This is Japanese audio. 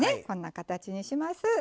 こんな形にします。